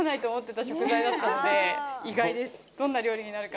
どんな料理になるか。